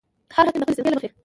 هر حاکم د خپلې سلیقې له مخې.